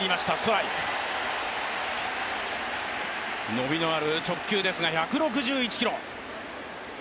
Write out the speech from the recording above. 伸びのある直球ですが、１６１キロ。